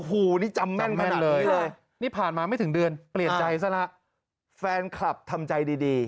หู้นี่จำแม่นขนาดนี้เลย